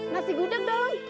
nasi gudeg dong